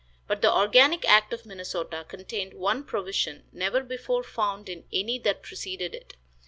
But the organic act of Minnesota contained one provision never before found in any that preceded it.